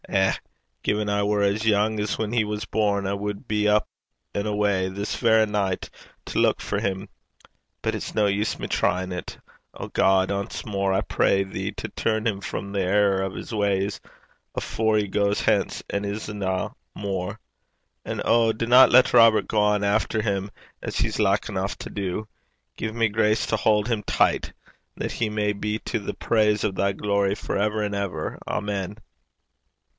Eh! gin I war as young as whan he was born, I wad be up an' awa' this verra nicht to luik for him. But it's no use me tryin' 't. O God! ance mair I pray thee to turn him frae the error o' 's ways afore he goes hence an' isna more. And O dinna lat Robert gang efter him, as he's like eneuch to do. Gie me grace to haud him ticht, that he may be to the praise o' thy glory for ever an' ever. Amen.'